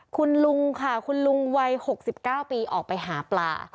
คุณลุงค่ะคุณลุงวัย๖๙ปีออกไปหาปลา